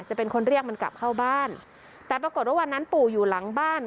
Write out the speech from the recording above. จะเป็นคนเรียกมันกลับเข้าบ้านแต่ปรากฏว่าวันนั้นปู่อยู่หลังบ้าน